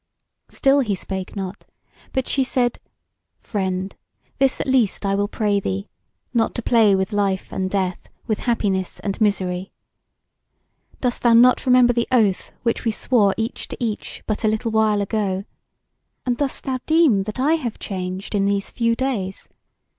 Still he spake not; but she said: "Friend, this at least I will pray thee; not to play with life and death; with happiness and misery. Dost thou not remember the oath which we swore each to each but a little while ago? And dost thou deem that I have changed in these few days?